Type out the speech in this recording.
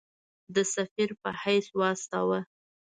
د سفیر په حیث واستاوه.